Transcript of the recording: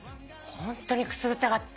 ホントにくすぐったがってた。